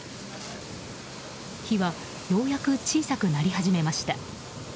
火はようやく小さくなり始めました。